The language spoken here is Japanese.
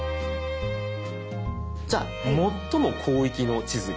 じゃあ最も広域の地図に。